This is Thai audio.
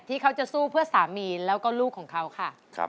เขาจะสู้เพื่อสามีแล้วก็ลูกของเขาค่ะ